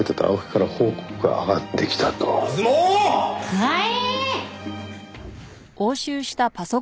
はい！